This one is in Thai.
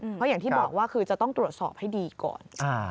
เพราะอย่างที่บอกว่าคือจะต้องตรวจสอบให้ดีก่อน